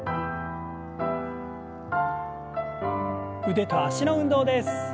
腕と脚の運動です。